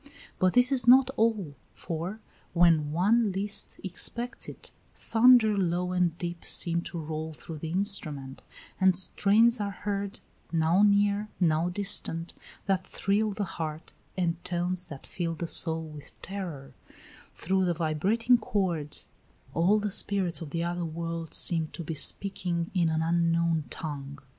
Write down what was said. But this is not all; for, when one least expects it, thunder low and deep seems to roll through the instrument; and strains are heard, now near, now distant, that thrill the heart, and tones that fill the soul with terror; through the vibrating chords all the spirits of the other world seem to be speaking in an unknown tongue.